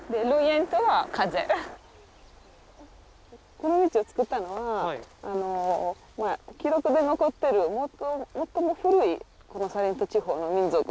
この道を作ったのは記録で残っている最も古いこのサレント地方の民族です。